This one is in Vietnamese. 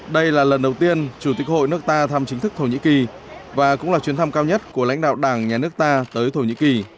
đây là lần đầu tiên chủ tịch hội nước ta thăm chính thức thổ nhĩ kỳ và cũng là chuyến thăm cao nhất của lãnh đạo đảng nhà nước ta tới thổ nhĩ kỳ